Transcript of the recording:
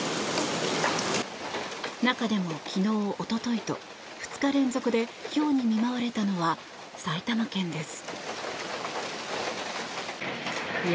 中でも昨日、おとといと２日連続でひょうに見舞われたのは埼玉県です。